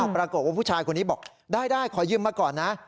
ปรากฏว่าผู้ชายคนนี้บอกได้ขอยืมมาก่อนนะ